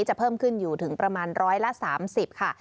จะเพิ่มขึ้นอยู่ถึงประมาณ๑๓๐ค่ะ